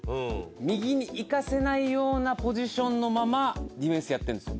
右に行かせないようなポジションのままディフェンスをやってるんですよ。